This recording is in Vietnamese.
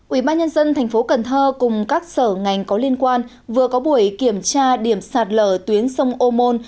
ubnd tp cần thơ cùng các sở ngành có liên quan vừa có buổi kiểm tra điểm sạt lở tuyến sông ô môn